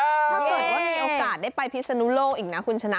ถ้าเกิดว่ามีโอกาสได้ไปพิศนุโลกอีกนะคุณชนะ